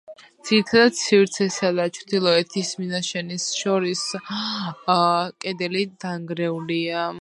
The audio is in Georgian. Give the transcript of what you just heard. ძირითად სივრცესა და ჩრდილოეთის მინაშენს შორის კედელი დანგრეულია.